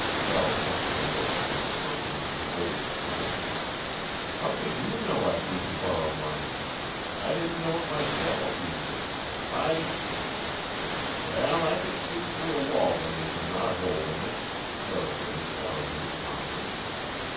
Val pursed her lips with something like her old spirit. "How could you know I'd need to borrow money? I didn't know it myself, even. I " "Well, I c'n see through a wall when there's a knothole in it," paraphrased Arline calmly.